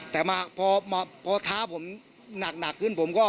แต่พอท้าผมหนักขึ้น